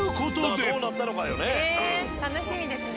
楽しみですね。